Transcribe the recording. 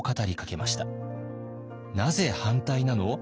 「なぜ反対なの？」